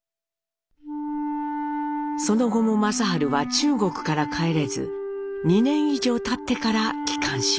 その後も正治は中国から帰れず２年以上たってから帰還します。